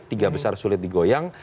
tiga besar sulit digoyang